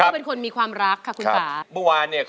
ด้านล่างเขาก็มีความรักให้กันนั่งหน้าตาชื่นบานมากเลยนะคะ